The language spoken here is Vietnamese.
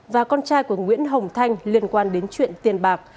và con trai của nguyễn hồng thanh liên quan đến chuyện tiền bạc